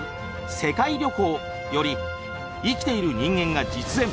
世界旅行」より「生きている人間が実演！